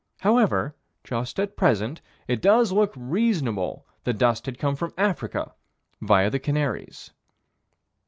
However, just at present, it does look reasonable that dust had come from Africa, via the Canaries.